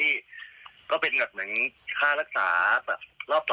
ไอ้พอร์โลบอลมอเตอร์ฟัส